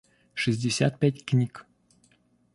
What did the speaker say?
шестьдесят пять книг